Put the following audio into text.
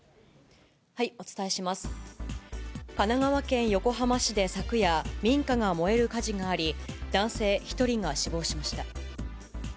神奈川横浜市で昨夜、民家が燃える火事があり、男性１人が死亡しました。